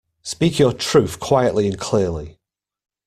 Speak your truth quietly and clearly